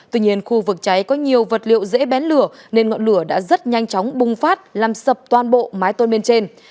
tuy nhiên khu vực cháy có nhiều vật liệu dễ bén lửa nên ngọn lửa đã rất nhanh chóng bùng phát làm sập toàn bộ mái tôn bên trên